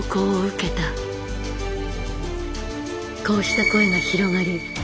こうした声が広がり